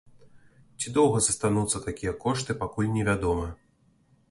Ці доўга застануцца такія кошты, пакуль невядома.